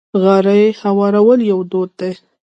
غالۍ هوارول یو دود دی.